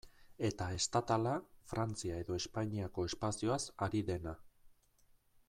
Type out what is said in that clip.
Eta estatala, Frantzia edo Espainiako espazioaz ari dena.